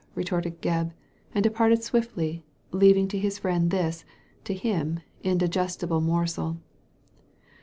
retorted Gebb, and de parted swiftly, leaving to his friend this — to him — indigestible morsel.